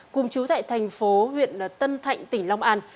cùng chú tại thành phố huyện tân thạnh tỉnh long an